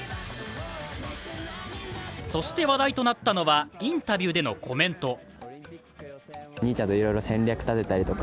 そして話題となったのはインタビューでのコメント。